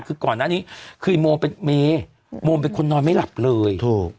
คือก่อนหน้านี้คือโมเป็นเมโมเป็นคนนอนไม่หลับเลยถูก